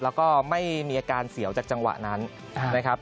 แล้วก็ไม่มีอาการเสียวจากจังหวะนั้นนะครับ